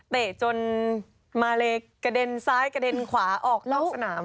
เตะจนมาเลกระเด็นซ้ายกระเด็นขวาออกนอกสนาม